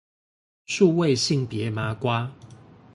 數位性別麻瓜